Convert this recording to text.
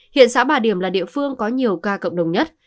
hiện xã bà điểm là địa phương có nhiều ca cộng đồng nhất